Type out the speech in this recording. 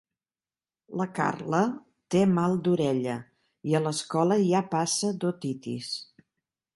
La Carla té mal d'orella i a l'escola hi ha passa d'otitis.